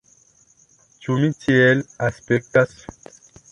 Ĉu mi tiel aspektas?